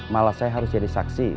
malah saya harus jadi saksi